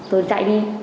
rồi chạy đi